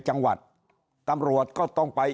จังหวัดตำรวจก็ต้องไป